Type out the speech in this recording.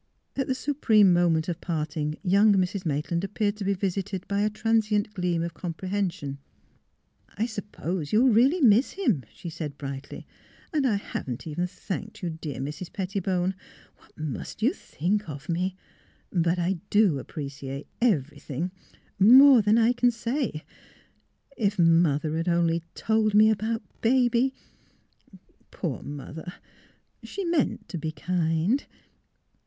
... At the supreme moment of parting young Mrs. Maitland appeared to be visited by a transient gleam of comprehension. '' I suppose you'll really miss him," she said, brightly. '' And I haven't even thanked you, dear Mrs. Pettibone. What must you think of me? But I do appreciate — everything, more than I can say. ... If mother had only told me about baby Poor mother! She meant to be kind.